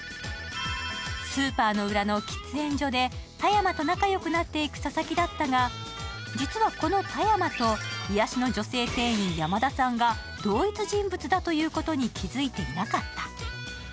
スーパーの裏の喫煙所で田山と仲よくなっていく佐々木だったが実はこの田山と癒やしの女性店員・山田さんが同一人物だということに気づいていなかった。